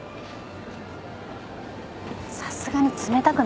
さすがに冷たくないですか？